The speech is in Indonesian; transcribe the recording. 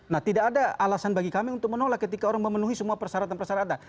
nah tidak ada alasan bagi kami untuk menolak ketika orang memenuhi semua persyaratan persyaratan ada